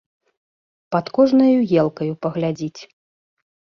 Пад кожнаю елкаю паглядзіць.